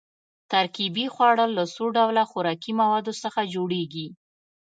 ترکیبي خواړه له څو ډوله خوراکي موادو څخه جوړیږي.